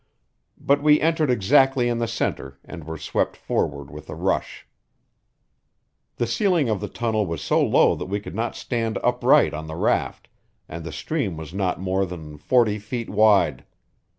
But we entered exactly in the center and were swept forward with a rush. The ceiling of the tunnel was so low that we could not stand upright on the raft, and the stream was not more than forty feet wide.